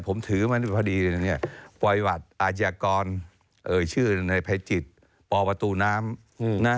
ผมถือมันพอดีปล่อยหวัดอาจญากรชื่อในภัยจิตปอประตูน้ำ